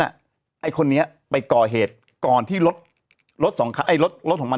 ไอ้คนนี้ไปก่อเหตุก่อนที่รถรถสองคันไอ้รถรถของมัน